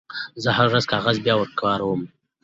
زه هره ورځ کاغذ بیاکاروم.